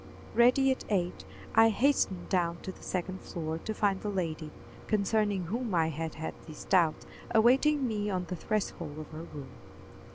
Ready at eight, I hastened down to the second floor to find the lady, concerning whom I had had these doubts, awaiting me on the threshold of her room.